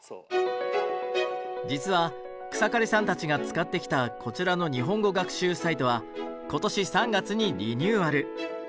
実は草刈さんたちが使ってきたこちらの日本語学習サイトは今年３月にリニューアル。